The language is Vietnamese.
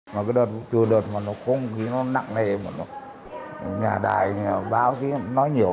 bệnh viện phổi trung mương cho biết một tuần gần đây lượng bệnh nhân vào điều trị nội trú